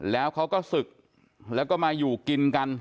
แล้วเขาก็ศึกแล้วก็มาอยู่กินกัน